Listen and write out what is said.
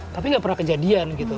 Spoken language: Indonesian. tapi nggak pernah kejadian gitu